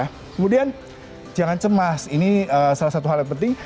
kemudian jangan cemas ini salah satu hal yang penting